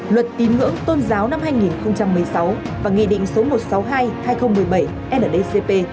luật tín ngưỡng tôn giáo năm hai nghìn một mươi sáu và nghị định số một trăm sáu mươi hai hai nghìn một mươi bảy ndcp